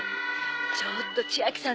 「ちょっと千秋さん